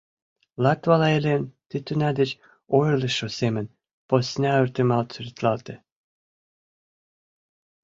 Латвала илем ты тӱня деч ойырлышо семын посна ойыртемалт сӱретлалте.